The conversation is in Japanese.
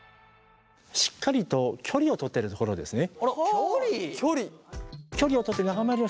しっかりと距離を取ってるところですね。